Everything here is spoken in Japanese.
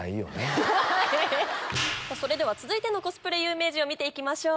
続いてのコスプレ有名人を見て行きましょう。